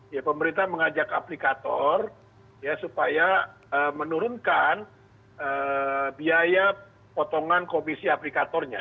jadi pemerintah mengajak aplikator supaya menurunkan biaya potongan komisi aplikatornya